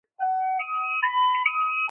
გვხვდებიან ატლანტისა და წყნარ ოკეანეებში.